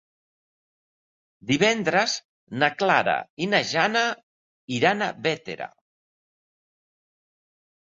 Divendres na Clara i na Jana iran a Bétera.